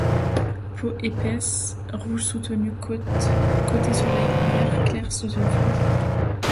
Peau épaisse, rouge soutenu côté soleil, vert clair sous une feuille.